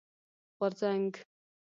غورځنګ